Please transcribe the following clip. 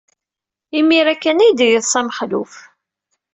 Imir-a kan ay d-yeḍsa Mexluf.